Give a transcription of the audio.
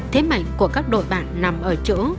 thế mạnh của các đội bạn nằm ở chỗ